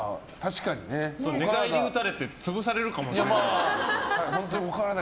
寝返り打たれて潰されるかもしれない。